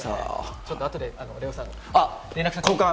ちょっとあとでＬＥＯさん、連絡先を。